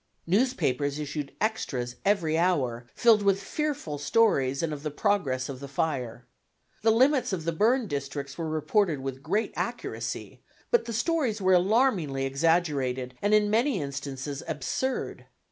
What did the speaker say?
Newspapers issued extras every hour, filled with fearful stories and of the progress of the fire. The limits of the burned districts were reported with great accuracy, but the stories were alarmingly exaggerated, and in many instances absurd.